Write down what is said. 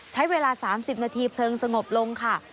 ใช้เวลา๓๐นาทีเพลิงสงบลงค่ะ